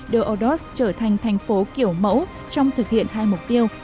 đưa odus trở thành thành phố kiểu mẫu trong thực hiện hai mục tiêu